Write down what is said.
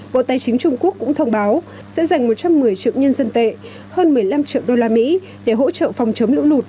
bộ tài chính trung quốc cũng thông báo sẽ dành một trăm một mươi triệu nhân dân tệ hơn một mươi năm triệu đô la mỹ để hỗ trợ phòng chống lũ lụt